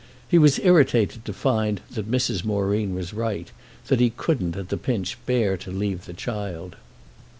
He was irritated to find that Mrs. Moreen was right, that he couldn't at the pinch bear to leave the child.